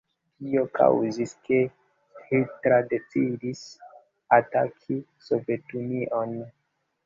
Tio kaŭzis ke Hitler decidis ataki Sovetunion.